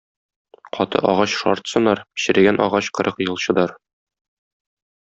Каты агач шарт сынар, черегән агач кырык ел чыдар.